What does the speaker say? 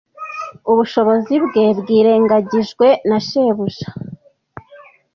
Ubushobozi bwe bwirengagijwe na shebuja.